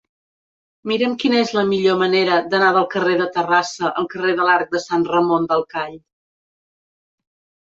Mira'm quina és la millor manera d'anar del carrer de Terrassa al carrer de l'Arc de Sant Ramon del Call.